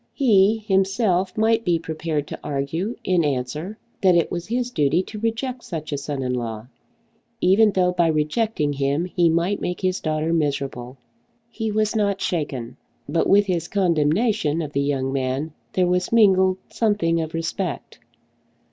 He himself might be prepared to argue in answer that it was his duty to reject such a son in law, even though by rejecting him he might make his daughter miserable. He was not shaken; but with his condemnation of the young man there was mingled something of respect.